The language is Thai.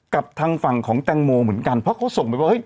กับทางฝั่งของแตงโมเหมือนกันเพราะเขาส่งไปว่าเฮ